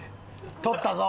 取ったぞ。